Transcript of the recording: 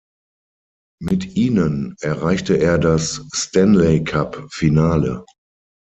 Mit ihnen erreichte er das Stanley-Cup-Finale.